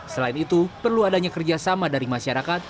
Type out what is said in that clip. selain itu perlu adanya kerjasama dari masyarakat